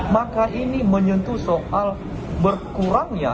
maka ini menyentuh soal berkurangnya